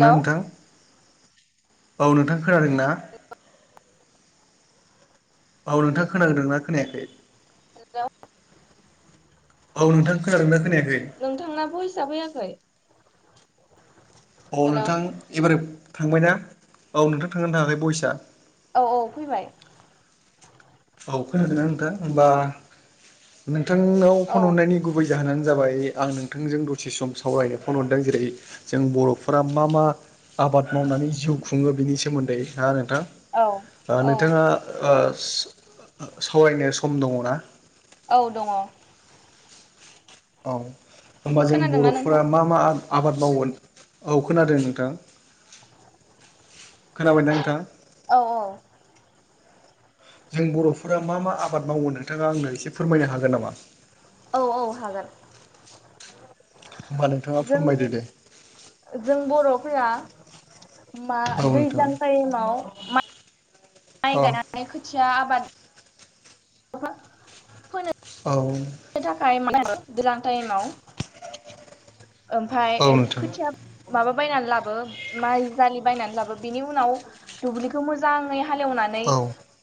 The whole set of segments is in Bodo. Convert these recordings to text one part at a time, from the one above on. हेल' नोंथां? औ नोंथां खोनादों ना? औ नोंथां खोनागोदोंना खोनायाखै हेलौ औ नोंथां खोनादोंना खोनायाखै नोंथांना [unintelligible] औ हेल' नोंथां एबारो थांबायना औ नोंथां थांदोंना थांङाखै बयससा औ औ फैबाय औ खोनादों ना नोंथां होमबा नोंथांनाव औ फन हरनायनि गुबै जाहोनानो जाबाय आं नोंथांजों दसे सम सावरायनोफनहरदों जेरै जों बर'फोरा मा मा आबाद मावनानै जिउ खुंङो बिनि सोमोन्दै नोंथांङा औ थां ओ औ नोंथाङा ओ [unintelligible] सावरायनो सम दङ ना। औ दङ। औ होनोमबा जों खोनादोंना बर'फोरा नोंथां? मा मा आ आबाद मावयो। औ खोनादों नोंथां। खोनाबाय ना नोंथां। औ औ जों बर'फोरा मा मा आबाद मावो नोंथाङा आंनो एसे फोरमायनो हागोन नामा। औ-औ हागोन। होमबा नोंथाङा जों फोरमायदो दे जों बर'फोरा मा औ नोंथां दैज्लां टाइमाव मा। माइ औ गायनानै खोथिया आबाद [unintelligible] फोनो। औ ओ थाखाय [inaudible] गोजां टाइमाव। ओमफाय औ एग नोंथां खोथिया। माबा बायनानै लाबो माइजालि बायनानै लाबो बिनि उनाव दुब्लिखौ मोजाङै। हालेवनानै औ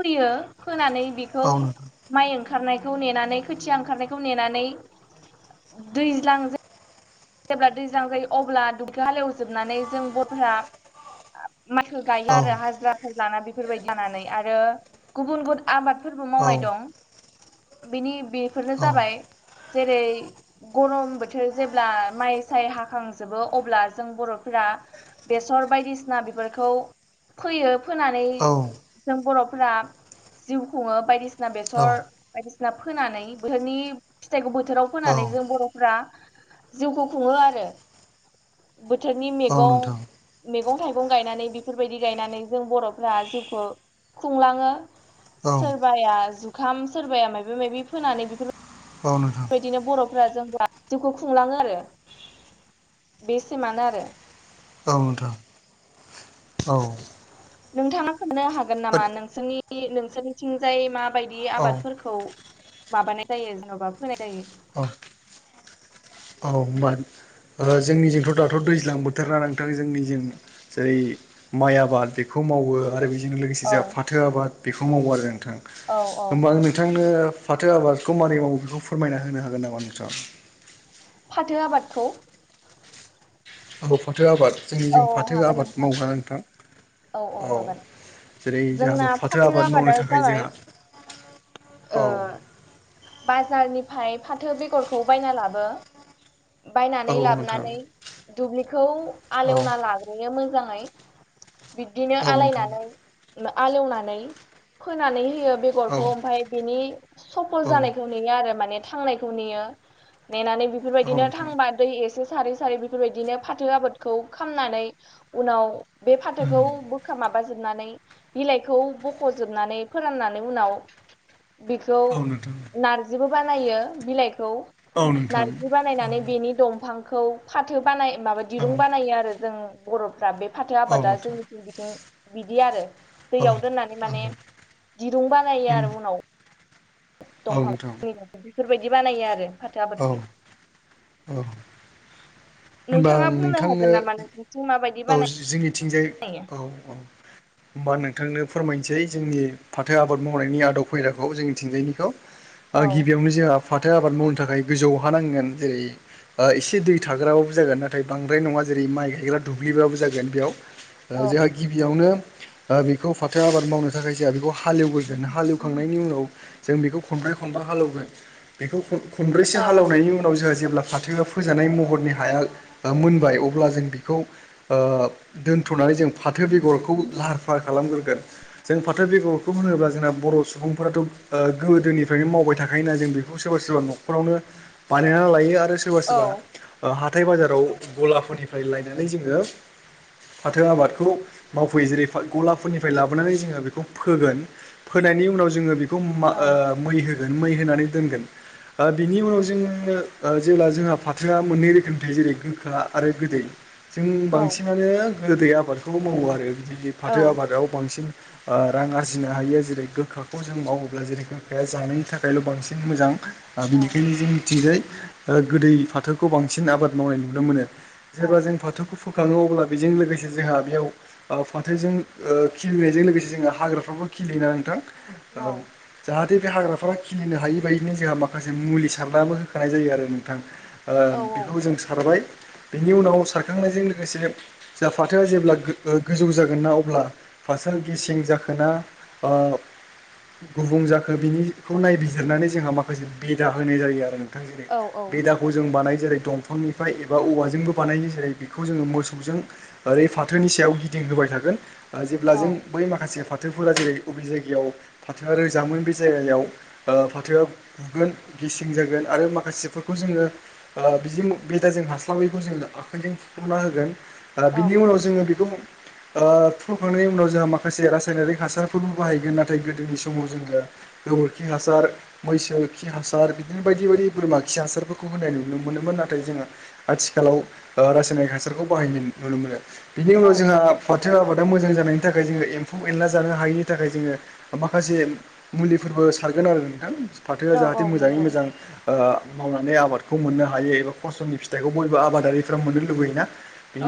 फोयो फानानै बिखौ औ नोंथां माइ ओं। खारनायखौ नेनानै खोथिया ओंखारनायखौ नेनानै दैज्लां जा। जेब्ला दैजां जायो अब्ला [inaudible] हालेवजोबनानै जों। [inaudible] [inaudible] गायो औ आरो हाजिराफोर लाना बेफोरबायदि जानानै आरो गुबुन गुब। आबादफोरबो औ मावनाय दं बेनि बेफोरनो जाबाय। जेरै गरम बोथोर जेब्ला। माइ साय हाखांजोबो अब्ला जों बर'फोरा बेसर बायदिसिना बेफोरखौ। फोयो। फोनानै औ जों बर'फोरा खु औ ना फोनानै बोथोरनि फिथाइखौ बोथोराव औ फोनानै जों बर'फ्रा। जिउखौ खुंङो आरो बोथोरनि औ मेगं नोंथां मेगं थाइगं। गं गायनानै बेफोरबायदि गायनानै जों बर'फ्रा जिउखौ खुंलाङो। औ सोरबाया जुखाम सोरबाया माबि माबि फोनानै बेफोर औ नोंथां। फ्रा [inaudible] जिउखौ खुंलाङो आरो बेसिमानो आरो। औ नोंथां औ। नोंथाङा खोन हागोन नामा नोंसोरनि नोंसोरनिथिंजाय मा बायदि औ आबादफोरखौ माबानाय जायो जेन'बा फोनाय जायो। अ औ होमबा। ओ जोंनिजोंथ' दाथ' दैज्लां बोथोर ना नोंथां जोंनिजों जेरै माइ आबाद बेखौ मावो आरो बेजोंनो लोगोसे औ जाहा फाथो आबाद बेखौ मावो आरो नोंथां औ औ होमबा आं नोंथांनो फाथो आबादखौ मारै मावो बेखौ फोरमायना होनो हागोन नामा नोंथां? फाथो आबादखौ खौ फाथो आबाद जोंनि औ जों औ फाथो हागोन आबाद नोंथां मावबाङा नोंथां। औ जेरै जोंना जोंहाथ' फाथो आबाद आबादा मावनो थाखाय जाबाय जोंहा ओ औ बाजारनि फाय फाथो बेगरखौ बायना लाबो औ बायनानै औ नोंथां लाबोनानै दुब्लिखौ औ आलौवना लाग्रोयो मोजाङै। बिदिनो औ नोंथां आलायनानै मा आलौवनानै फोनानै। होयो औ बेग'रखौ ओमफाय बिनि सफल औ जानायखौ नेयो आरो माने थांनायखौ नेयो। नेनानै औ बेफोरबायदिनो नोंथां थांबा दै एसे सारै-सारै बेफोरबादिनो फाथो आबाद। खौ खामनानै उनाव बे उम फाथोखौ बोखा माबा जोब। उननानै बिलाइखौ बख'जोबनानै फोराननानै उनाव। बेखौ औ नोंथां नारजिबो बानायो बिलाइ। खौ औ नोंथां नारजि औ बानायनानै बेनि दंफांखौ फाथो बानाय माबा। औ रुं बानायो आरो जों बर'फ्रा बे फाथो औ आबादा नोंथां जोंनिथिं बिथिं बिदि आरो। औ दैयाव दोननानै माने दिरुं बानायो उम आरो उनाव। औ दंफां बेफोरबायदि बानायो आरो फाथो आबादखौ औ-औ। होनबा नोंथाङा आं बुंनो हागोन नोंथांनो नामा नोंसोरनिथिं माबायदि औ जोंनिथिंजाय बानायो औ-औ होमबा नों थांनो फोरमायनोसै जोंनि फाथो आबाद मावनायनि आदब खायदाखौ जोंनि थिंजायनिखौ ओरो औ गिबियावनो जोंहा फाथो आबाद मावनो थाखाय गोजौआव हा नांगोन जेरै एसे दै थाग्राबाबो जागोन नाथाय बांद्राय नङा जेरै माइ गायग्रा दुब्लिबाबो जागोन बेयाव ओ औ जोंहा गिबियावनो ओ बेखौ फाथो आबाद मावनो थाखाय जोंहा बेखौ हालेवग्रगोन हालेवखांनायनि उनाव जों बेखौ खनब्रै खनबै हालौगोन बेखौ खन- खनब्रैसो औ हालेनायनि उनाव जोंहा जेब्ला फाथोआ फोजानाय महरनि हाया मोनबाय अब्ला जों बेखौ ओ दोनथ'नानै जों फाथो बेगरखौ लाहार फाहार खालामग्रोगोन जों फाथो बेगरखौ होनोब्ला जोंना बर' सुबुंफोराथ' ओ गोदोनिफ्रायनो मावबाय था खायोना जों बेखौ सोरबा सोरबा न'खरावनो बानायनानै लायो आरो सोरबा औ सोरबा ओ हाथाय बाजाराव गलाफोरनिफ्राय लायनानै जोङो फाथो आबादखौ मावफैयो जेरै गलाफोरनिफ्राय लाबोनानै जोङो बेखौ फोगोन फोनाय नि उनाव जोङो बेखौ औ ओ मै होगोन मै होनानै दोनगोन ओ बिनि उनाव जोङो ओ जेब्ला जोंहा फाथोआ मोननै रोखोमनि थायो जेरै गोखा आरो गोदै। जों औ बांसिनानो गोदै आबादखौ मावो आरो बि औ फाथो आबादाव बांसिन ओ रां आरजिनो हायो जेरै गोखाखौ जों मावोब्ला जेरै गोखाया जानायनि थाखायल' बांसिन मोजां। ओ औ बिनिखायनो जों मिथिजबाय गोदै फाथोखौ बांसिन आबाद मावनाय नुनो मोनो। औ जेल्बा जों फाथोखौ फोखाङो अब्ला बेजों लोगोसे जोंहा बेयाव फान्थालजों ओ खिलिनायजों लोगोसे जों हाग्रााव खियोना नोंथां ओ जा हाथे बे हाग्राफोरा खिनिनो हायि बायदिनो जोंहा माखासे मुलि सारनाबो होखानाय जायो आरो नोंथां। ओ औ बेखौ जों सारबाय बेनि उनाव सार खांनायजों लोगोसे जा फाथोआ जेब्ला गो गोजौ जागोन ना अब्ला फाथआ गेसें जाखोन बे अ गुबुं जाखो बिनिखौ नायबिजिरनानै जोंहा माखासे बेदा होनाय जायो आरो थां जेरै बेदाखौ जों बानाय जेरै दंफांनिफ्राय एबा औवाजोंबो बानायनाय जेरै बेखौ जोङो मोसौजों ओरै फाथोनि सायाव गिदिं होबाय थागोन जेब्ला जों बै माखासे फाथोफोरा जेरै बबे जायगायाव फाथोआ रोजामोन बे जायगायाव ओ फाथोआ गुगोन गेसें जागोन आरो माखासेफोरखौ जोङो ओ बिदि बेदाजों हास्लाबैखौ जोङो आखायजों हना होगोन बिनि औ उनाव जोङो बेखौ ओ- फुखांनायनि उनाव जोंहा माखासे रासायनारिक हासारफोरबो बाहायगोन नाथाय गोदोनि समाव जोङो गोबोरखि हासार मैसो खि हासार बिदिनो बायदि बायदि बोरमा खि हासारफोरखौ होनाय नुनो मोनो नाथाय जोङो आथिखालाव रा सारखौ बाहायनाय नुनो मोनो बेनि औ उनाव जोंहा फाथो आबादा मोजां जानायनि थाखाय जोङो एम्फौ एनला जानो हायैनि थाखाय जोङो माखासे मुलिफोरबो ओ- सारगोन आरो नोंथां फाथोआ औ जाहाथे मोजाङै नंगौ मोजां ओ- मावनानै आबादखौ मोननो हायो एबा फसलनि फिथाइखौ बयबो आबादारिफ्रा मोननो लुबैयोना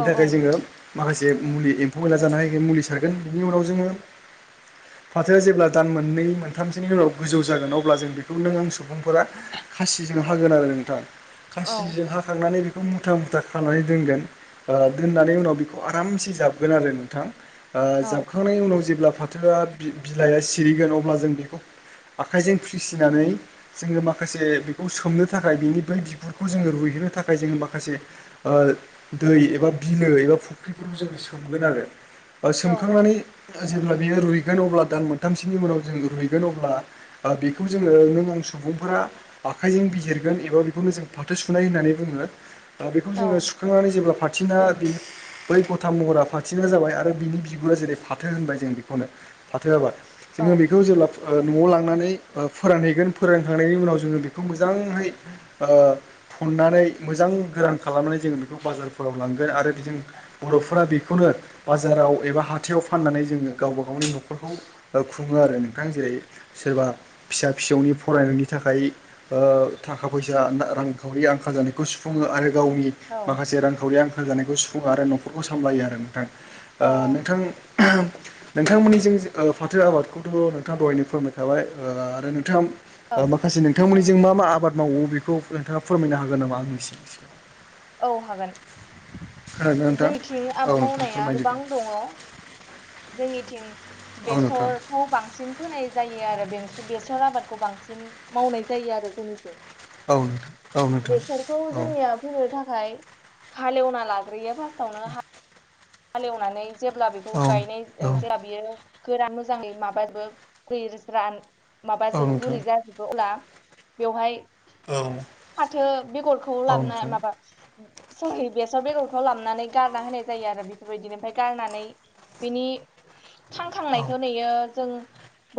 औ औ थाखाय जोङो माखासे मुलि एम्फौ मैला जानाय मुलि सारगोन बिनि उनाव जोङो फाथोआ जेब्ला दान मोननै मोनथामसोनि उनाव गोजौ जागोन अब्ला जों बेखौ नों आं सुबुंफोरा खासिजों हागोन आरो नोंथां औ खासिजों हाखांनानै बेखौ मुथा मुथा खालामनानै दोनगोन ओ- दोननानै उनाव बेखौ आरामसे जाबगोन आरो नोंथां ओ- औ जाबखांनायनि उनाव जेब्ला फाथोआ बि- बिलाइआ सिरिगोन अब्ला जों बेखौ आखाइजों फ्रिसिनानै जोङो माखासे बेखौ सोमनो थाखाय बिनि बै बिगुरखौ जोङो रुइयो थाखाय जोङो माखासे ओ- दै एबा बिलो एबा फुख्रिफोरखौ जों सोमगोन आरो बा औ औ सोमखांनानै जेब्ला बेयो रुइगोन अब्ला दान मोनथामसोनि उनाव जों रुइगोन अब्ला बेखौ जोङो नों आं स सुबुंफोरा आखाइजों बिजहिरगोन एबा बेखौनो जों फाथो सुनाय होननानै बुङो ओ बेखौ औ जोङो सुखांनानै जेब्ला फारथिना बियो बै गथा महरा फाथथिना जाबाय आरो बिनि बिगुरा जेरै फाथो होनबाय जों बेखौनो फाथो जाबा औ जोङो बेखौ जेब्ला न'आव लांनानै फोरानहैगोन फोरानखांनायनि उनाव जोङो बेखौ मोजांहै फननानै मोजां गोरान खालामनानै जोङो बेखौ बाजारफोराव लांगोन आरो जों बर'फोरा बेखौनो बाजाराव एबा हाथायाव फाननानै जोङो गावबा गावनि न'खरखौ खुङो आरो नोंथां जेरै सोरबा फिसा फिसौनि फरायनायनि थाखाय थाखा फैसा रांखावरि आंखाल जानाय खौ सुफुङो आरो गावनि औ माखासे रांखावरि आंखाल जानायखौ सुफुङो आरो नखरखौ सामलायो आरो नोंथां औ नोंथां नोंथांमोननि जों फाथो आबाद बेखौथ' नोंथाङा दहायनो फोरमायखाबाय आरो नोंथाङा माखासे नोंथांमोननिजों मा मा आबाद मावो बेखौ नोंथाङा फोरमायनो हागोन नामा आंनिसिनि औ हागोन खोनादोंना नोंथां जोंथिं औ आब नोंथां मावनाया फोरमायदो दे गोबां दङ जोंनिथिं औ नोंथां बेसरखौ बांसिन फोनाय जायो आरो बेसर आबादखौ बांसिन मावनाय जायो आरो जोंनिथिम औ नोंथां बेसरखौ औ जोंनिया फोनो थाखाय आ हालेवना लाग्रोयो फार्स्टावनो हालेवनानै जेब्ला बेखौ गायनाय नोंथां जेब्ला बियो फोरा मोजाङै माबो ख रान माबाजोबो गुरै जाजोबो अब्ला बेवहाय औ फाथो बेगरखौ औ नोंथां औ लाबोना नोंथां माबा सरि बेसर बेगरखौ लाबनानै गारना होनाय जायो आरो बे बेबायदिनो ओमफ्राय गारनानै बिनि औ थांखांनायखौ नुयो जों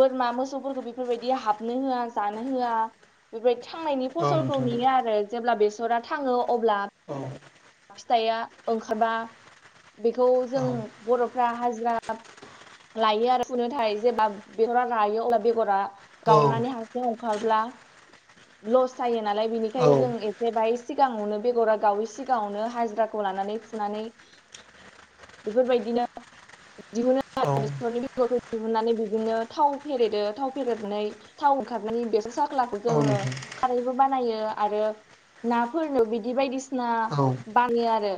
बोरमा मोसौफोरखौ बेफोरबायदि हाबनो होआ जानो होआ बेबायदि थांनायनि औ फसलखौ नोंथां नेयो आरो जेब्ला बेसरा थाङो अब्ला औ फिथाइआ ओंखारबा बेखौ जों औ बर'फ्रा हाजिरा जा लायो आरो फुनो थाखाय जेबब्ला बेगरा लायो अब्ला बेगरा औ गावनानै हारसिं हंखारब्ला लस जायो नालाय बिनिखायनो जों एसे बाय सिगाङावनो बेगरा गावै सिगां गावनो हाजिराखौ लानानै फुनानै बेफोरबायदिनो दिहुननोनि दिहुननानै बिदिनो थाव फेरेदो थाव फेरदनानै थाव ओंखारनानै बेस स [unintelligible] खौ औ जोङो नोंथां खारैबो बानायो, आरो नाफोरनो बिदि बायदिसिना औ बानाय आरो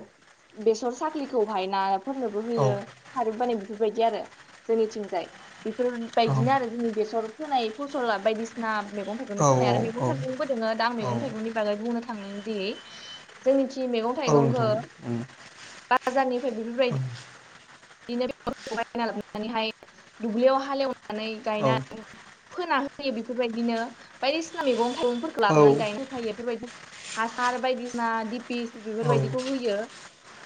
बेसर साख्लिखौहाय नाफोरनोबो होयो खारैबो बानि बेफोरबायदि आरो जोंनिथिंजाय बेफोरबायदिनो औ आरो जोंनि बेसर फोनाय फसला बायदिसिना मैगं थाइगंनि औ फोनाय औ नोंथां औ नोंथां औ नोंथां औ नोंथां औ आरो मैगं औ थाइगंबो दोङो दां मैगं थाइगंनि बागै बुंनो थांदों दि, जोंनि रिं मैगं थाइगंखौ बाजारनिफ्राय बेफोरबायदि बिदिनो [unintelligible] नानैहाय दुब्लियाव हालेव गायनानै फोना होयो बेफोरबायदिनो बायदिसिना मैगं गंफोरखौ लाबोनानै गायनो होफैायो बेफोरबायदि हासार बायदिसिना दि पि बेफोरबायदिखौ होयो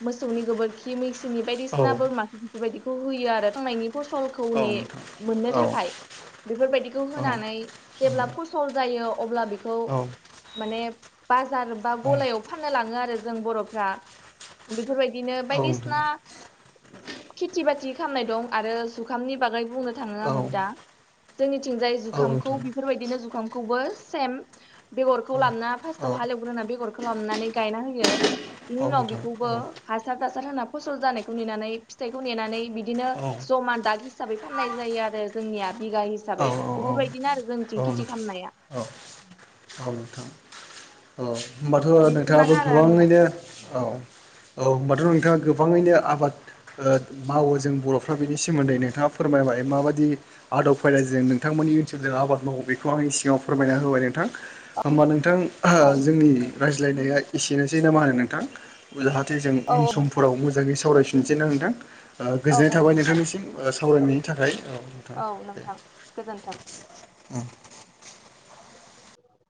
मोसौनि गोबोरखि मैसोनि बायदिसिना बोरमा बेबायदिखौ होयो आरो समायनि फसलखौ ने मोननो थाखाय। बेफोरबायदिखौ होनानै जेब्ला फसल जायो अब्ला बेखौ माने बाजार बा गलायाव फाननो लाङो आरो। जों बर'फ्रा बेफोरबायदिनो बायदिसिना खेथि बाथि खालामनाय दं आरो जुखामनि बागै बुंनो थाङो आं दा। जोंनिथिंजाय जुखामखौ बेफोरबायदिनो जुखामखौबो सेम बेगरखौ लाबना फार्स्टाव हालेवग्रोना बेगरखौ लानानै गायना होयो। बिनि उनाव नोंथां बेखौबो हासार थासार होना फसल जानायखौ नेनानै फिथाइखौ नेनानै बिदिनो औ औ ज'मा दाग हिसाबै फाननाय जायो आरो जोंनिया बिघा औ औ औ औ खालामनाया नोंथां औ औ नोंथां। औ होनोमबाथ' नोंथाङाबो बेसिमानो आरो आंनिया गोबाङैनो औ औ होनबा आरो नोंथाङा गोबाङैनो आबाद मावो जों बर'फ्रा बेनि सोमोन्दै नोंथाङा फोरमायबाय माबायदि दि आद'ब उफायजों नोंथांमोननि इउटुबजों आबाद मावो बेखौ आंनि सिगाङाव फोरमायना होबाय नोंथां। होमबा नोंथां औ जोंनि रायज्लायनाया एसेनोसै ना मा होनो नोंथां। जाहाथे जों औ उन नोंथां समफोराव मोजाङै सावरायफिननोसै ना नोंथां। ओ औ गोजोननाय जायो थाबाय नोंथां नोंथांनिसिम। सावरायनायनि थाखाय औ नोंथां। औ दे नोंथां गोजोन्थों।